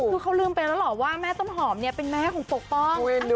คือเขาลืมไปแล้วเหรอว่าแม่ต้นหอมเนี่ยเป็นแม่ของปกป้อง